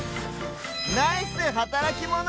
ナイスはたらきモノ！